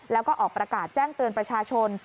แล้วก็ออกประกาศแจ้งเตือนประชาชน